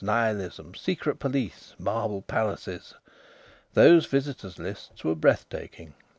Nihilism! Secret police! Marble palaces!).... Those visitors' lists were breath taking.